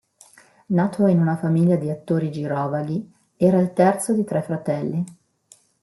Nato in una famiglia di attori girovaghi, era il terzo di tre fratelli.